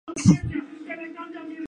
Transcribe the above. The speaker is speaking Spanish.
Ha sido adaptada al cine varias veces.